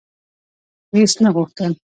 هیڅ نه غوښتل: